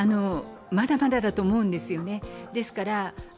まだまだだと思うんですよね。